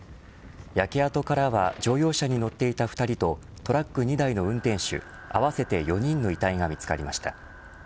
焼け跡からは乗用車に乗っていた２人とトラック２台の運転手合わせて４人の遺体が見つかりました。